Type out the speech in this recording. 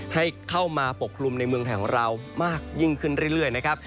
ให้เข้ามาปกคลุมในเมืองไทยของเรามากยิ่งขึ้นเรื่อยนะครับ